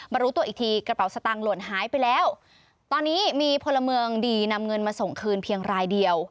รู้ตัวอีกทีกระเป๋าสตางคลวนหายไปแล้วตอนนี้มีพลเมืองดีนำเงินมาส่งคืนเพียงรายเดียว